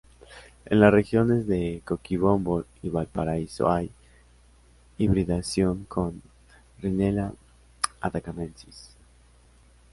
En las regiones de Coquimbo y Valparaíso hay hibridación con "Rhinella atacamensis".